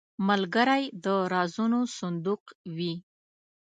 ملګری د رازونو صندوق وي